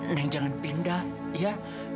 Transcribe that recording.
neng jangan pindah iya